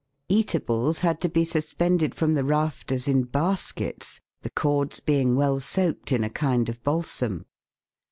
Eatables had to be suspended from the rafters in baskets, the cords being well soaked in a kind of balsam.